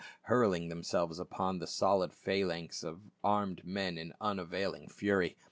hurling themselves upon the solid phalanx of armed men in unavailing fury.